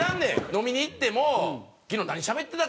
飲みに行っても昨日何しゃべってたかな